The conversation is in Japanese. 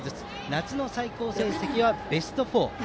夏の最高成績はベスト４。